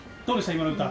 今の歌。